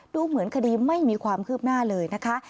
ดูเหมือนคดีไม่มีความคืบหน้าเลยนะคะ